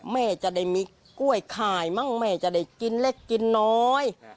แม่จะได้มีกล้วยขายมั้งแม่จะได้กินเล็กกินน้อย